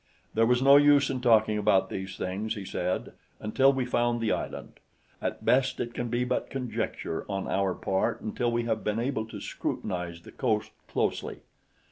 "There was no use in talking about these things," he said, "until we found the island. At best it can be but conjecture on our part until we have been able to scrutinize the coast closely.